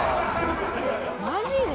マジで？